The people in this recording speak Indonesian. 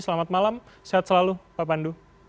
selamat malam sehat selalu pak pandu